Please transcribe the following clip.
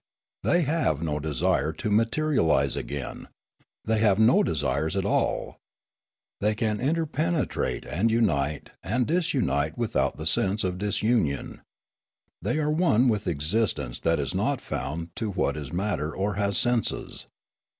They have no desire to materialise again ; they have no desires at all. The}' can interpenetrate and unite and disunite without the sense of disunion. They are one with existence that is not bound to what is matter or has senses.